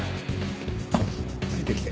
ついてきて。